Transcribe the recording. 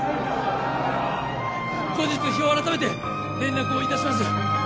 後日日を改めて連絡をいたします